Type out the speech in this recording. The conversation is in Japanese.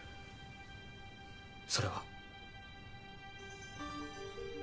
それは。